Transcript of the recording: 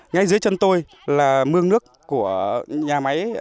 ngay dưới chân tôi là mương nước của nhà máy